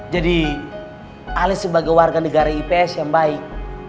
jadi alaik sebagai warga negara ipps yang baik